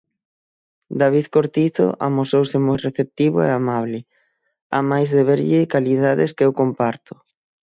David Cortizo amosouse moi receptivo e amable, amais de verlle calidades que eu comparto.